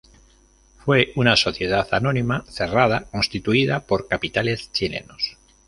Fue una sociedad anónima cerrada constituida por capitales chilenos.